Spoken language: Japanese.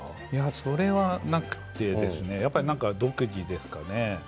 それはなくて多分、独自ですかね。